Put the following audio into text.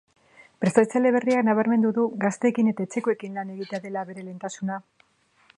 Prestatzaile berriak nabarmendu du gazteekin eta etxekoekin lan egitea dela bere lehentasuna.